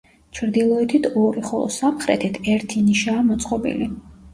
ჩრდილოეთით ორი, ხოლო სამხრეთით ერთი ნიშაა მოწყობილი.